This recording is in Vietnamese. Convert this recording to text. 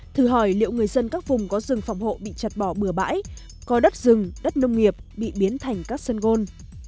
thử hỏi liệu người dân các vùng có rừng phòng hộ bị chặt bỏ bừa bãi có đất rừng đất nông nghiệp bị biến thành các sân gôn